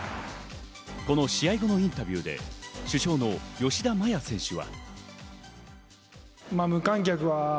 この試合後のインタビューで、主将の吉田麻也選手は。